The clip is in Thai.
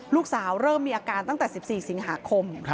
เริ่มมีอาการตั้งแต่๑๔สิงหาคม